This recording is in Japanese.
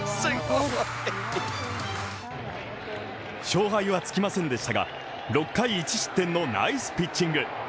勝敗はつきませんでしたが６回１失点のナイスピッチング。